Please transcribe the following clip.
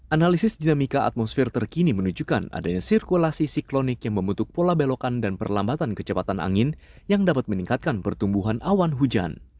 analisis dinamika atmosfer terkini menunjukkan adanya sirkulasi siklonik yang membentuk pola belokan dan perlambatan kecepatan angin yang dapat meningkatkan pertumbuhan awan hujan